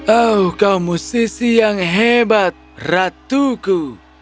oh kamu sisi yang hebat ratuku